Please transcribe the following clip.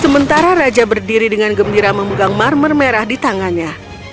sementara raja berdiri dengan gembira memegang marmer merah di tangannya